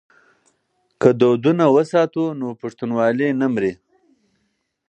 که دودونه وساتو نو پښتونوالي نه مري.